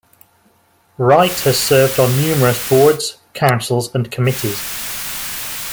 Wright has served on numerous boards, councils and committees.